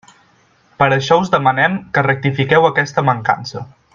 Per això us demanem que rectifiqueu aquesta mancança.